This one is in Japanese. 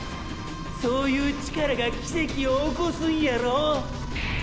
そういう力が奇跡を起こすんやろ？